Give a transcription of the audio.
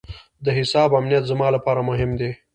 د حساب امنیت زما لپاره مهم دی.